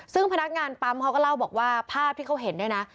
ซึ่งพนักงานปั๊มเขาก็เล่าบอกว่าภาพที่เขาเห็นเนี่ยนะ